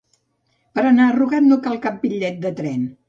Per anar arrugat no cal cap bitllet de tren